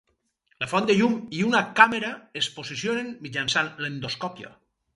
La font de llum i una càmera es posicionen mitjançant l'endoscòpia.